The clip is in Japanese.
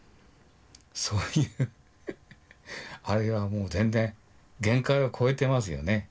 そういうあれがもう全然限界を超えてますよね。